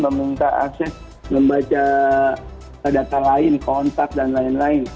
meminta akses membaca data lain kontak dan lain lain